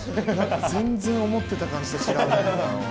全然思ってた感じと違うんだよな。